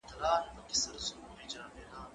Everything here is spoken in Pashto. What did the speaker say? دا مڼې له هغه تازه دي!